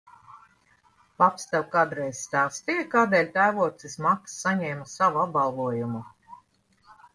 Paps tev kādreiz stāstīja, kādēļ tēvocis Maks saņēma savu apbalvojumu?